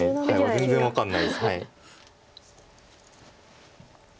全然分かんないです。